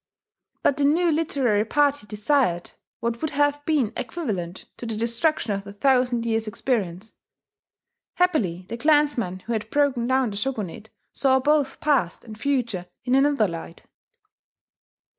But the new literary party desired what would have been equivalent to the destruction of a thousand years' experience. Happily the clansmen who had broken down the Shogunate saw both past and future in another light.